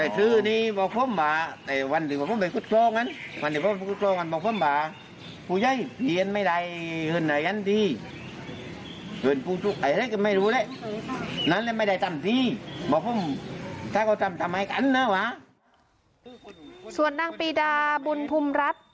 ส่วนนางปีดาบุญภูมิรัฐ